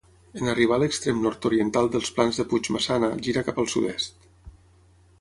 En arribar a l'extrem nord-oriental dels Plans de Puigmaçana gira cap al sud-est.